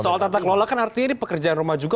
soal tata kelola kan artinya ini pekerjaan rumah juga